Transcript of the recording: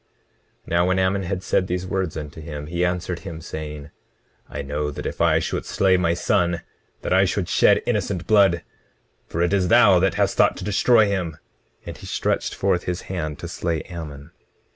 20:19 Now when Ammon had said these words unto him, he answered him, saying: I know that if I should slay my son, that I should shed innocent blood; for it is thou that hast sought to destroy him. 20:20 And he stretched forth his hand to slay Ammon.